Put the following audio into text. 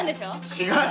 違う！